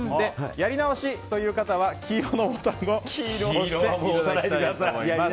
やり直しという方は黄色のボタンを押してください。